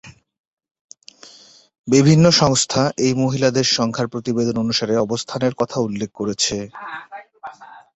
বিভিন্ন সংস্থা এই মহিলাদের সংখ্যার প্রতিবেদন অনুসারে অবস্থানের কথা উল্লেখ করেছে।